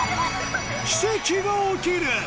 奇跡が起きる！